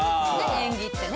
演技ってね。